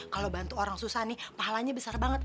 kalau bantu orang susah nih pahalanya besar banget